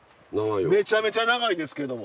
めちゃめちゃ長いですけども。